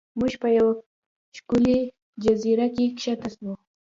موږ په یوه ښکلې جزیره کې ښکته شو.